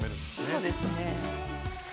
そうですね。